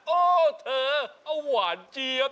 โอ้เธออ้าวหวานเจียบ